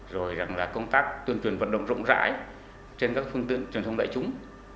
rồi là công tác tuyên truyền vận động rộng rãi trên các phương tiện truyền thông đại chúng